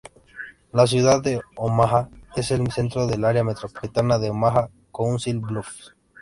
La ciudad de Omaha es el centro del área metropolitana de Omaha-Council Bluffs.